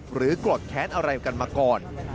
หรือกดแค้นอะไรกันมาก่อน